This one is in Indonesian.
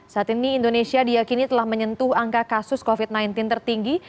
saat ini indonesia diakini telah menyentuh angka kasus covid sembilan belas tertinggi